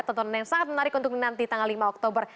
tontonan yang sangat menarik untuk nanti tanggal lima oktober